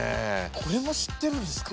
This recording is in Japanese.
・これも知ってるんですか？